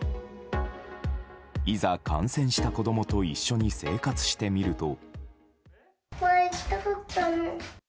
いざ、感染した子供と一緒に生活してみると。